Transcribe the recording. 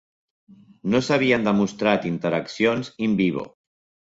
No s'havien demostrat interaccions "in vivo".